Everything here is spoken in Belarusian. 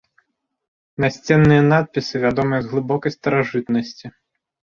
Насценныя надпісы вядомыя з глыбокай старажытнасці.